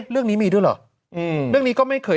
เรื่องนี้มีด้วยเหรอเรื่องนี้ก็ไม่เคย